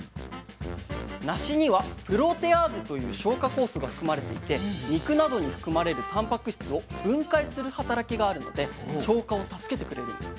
梨にはプロテアーゼという消化酵素が含まれていて肉などに含まれるたんぱく質を分解する働きがあるので消化を助けてくれるんです。